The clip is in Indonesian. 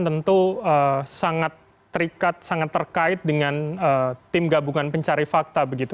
tentu sangat terikat sangat terkait dengan tim gabungan pencari fakta begitu